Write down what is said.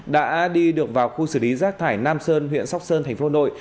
đã đi được vào khu xử lý rác thải nam sơn huyện sóc sơn thành phố hà nội